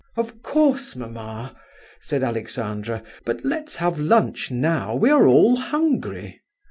"Of course, mamma!" said Alexandra. "But let's have lunch now, we are all hungry!"